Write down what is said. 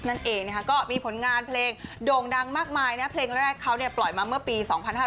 นั่นเองก็มีผลงานเพลงด่งดังมากมายนะเพลงแรกเขาเนี่ยปล่อยมาเมื่อปี